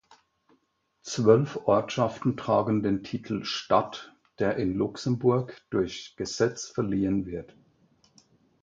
Zwölf Ortschaften tragen den Titel „Stadt“, der in Luxemburg durch Gesetz verliehen wird.